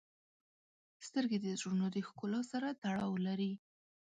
• سترګې د زړونو د ښکلا سره تړاو لري.